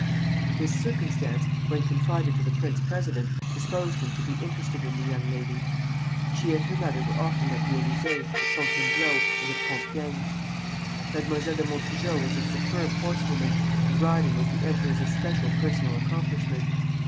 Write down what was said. This circumstance, when confided to the prince president, disposed him to be interested in the young lady. She and her mother were often at the Élysée, at Fontainebleau, and at Compiègne. Mademoiselle de Montijo was a superb horsewoman, and riding was the emperor's especial personal accomplishment.